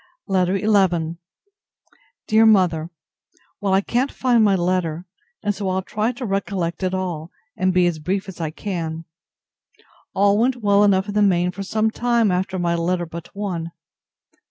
LETTER XI DEAR MOTHER, Well, I can't find my letter, and so I'll try to recollect it all, and be as brief as I can. All went well enough in the main for some time after my letter but one.